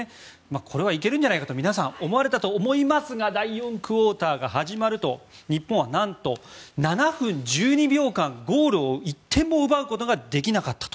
これは行けるんじゃないかと皆さん思われたと思いますが第４クオーターが始まると日本はなんと７分１２秒間ゴールを１点も奪うことができなかったと。